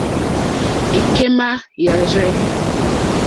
Ìkémà yàrzɛ̂.